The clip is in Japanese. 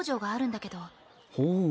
ほう。